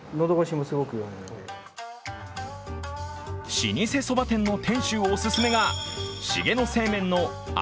老舗そば店の店主おすすめが茂野製麺の味